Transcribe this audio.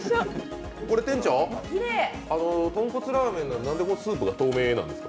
店長、これ豚骨ラーメンなのに何でスープが透明なんですか？